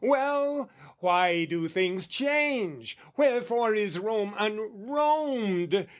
Well? Why do things change? Wherefore is Rome un Romed?